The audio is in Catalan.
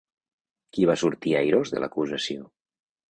Qui va sortir airós de l'acusació?